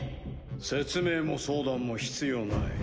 説明も相談も必要ない。